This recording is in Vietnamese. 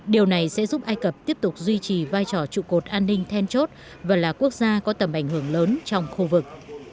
điều này sẽ giúp ai cập tiếp tục duy trì vai trò trụ cột an ninh then chốt và là quốc gia có tầm ảnh hưởng lớn trong khu vực